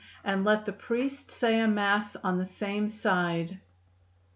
And let the priest say a mass on the same Side."